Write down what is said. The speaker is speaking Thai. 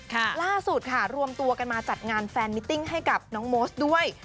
ล่าสุดค่ะรวมตัวกันมาจัดงานแฟนมิติ้งให้กับน้องโมสด้วย